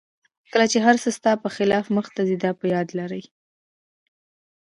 کله چې هر څه ستا په خلاف مخته ځي دا په یاد لره.